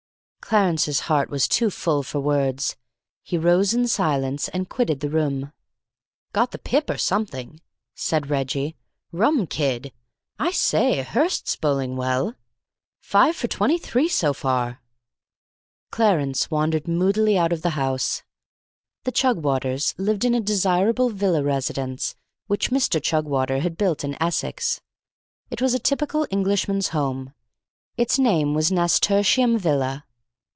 Clarence's heart was too full for words. He rose in silence, and quitted the room. "Got the pip or something!" said Reggie. "Rum kid! I say, Hirst's bowling well! Five for twenty three so far!" Clarence wandered moodily out of the house. The Chugwaters lived in a desirable villa residence, which Mr. Chugwater had built in Essex. It was a typical Englishman's Home. Its name was Nasturtium Villa.